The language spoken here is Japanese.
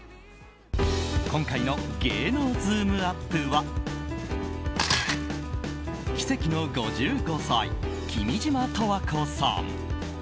今回の芸能ズームＵＰ！は奇跡の５５歳、君島十和子さん。